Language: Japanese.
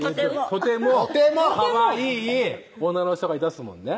とてもとてもかわいい女の人がいたっすもんね